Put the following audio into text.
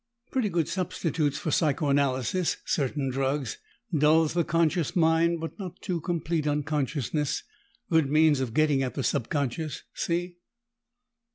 "Pretty good substitutes for psychoanalysis certain drugs. Dulls the conscious mind, but not to complete unconsciousness. Good means of getting at the subconscious. See?"